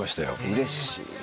うれしい。